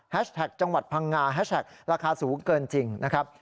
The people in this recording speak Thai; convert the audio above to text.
จังหวัดพังงาแฮชแท็กราคาสูงเกินจริงนะครับ